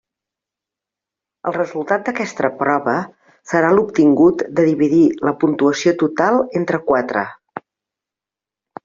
El resultat d'aquesta prova serà l'obtingut de dividir la puntuació total entre quatre.